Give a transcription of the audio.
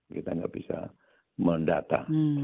kita tidak bisa mendata